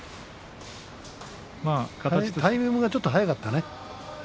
タイミングがちょっと早かったね